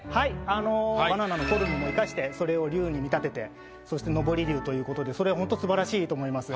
あのバナナのフォルムも生かしてそれを龍に見立ててそして昇り龍ということでそれはほんと素晴らしいと思います。